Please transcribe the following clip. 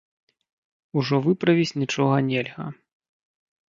Ужо выправіць нічога нельга.